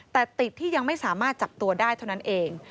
แต่ติดที่ยังไม่สามารถจับตัวได้เท่านั้นเอง